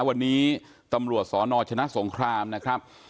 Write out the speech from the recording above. วันนี้ตำรวจสนชนะสงครามนะครับ